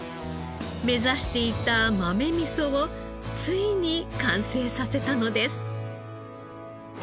目指していた豆味噌をついに完成させたのです。